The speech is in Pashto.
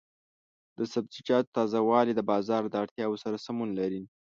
د سبزیجاتو تازه والي د بازار د اړتیاوو سره سمون لري.